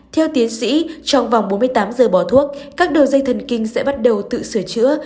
theo tiến sĩ trong vòng bốn mươi tám giờ bỏ thuốc các đường dây thần kinh sẽ bắt đầu tự sửa chữa